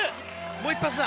もう一発だ！